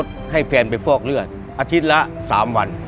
เสียงค่ารถให้แฟนไปฟอกเลือดอาทิตย์ละ๓วัน